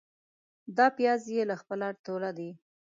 دا پیاز يې له خپله توله دي.